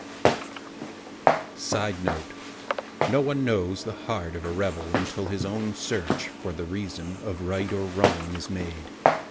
] [Sidenote: _No one knows the heart of a rebel until his own search for the reason of right or wrong is made.